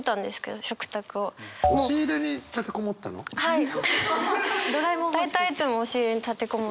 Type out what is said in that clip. はい。